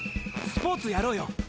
スポーツやろうよ。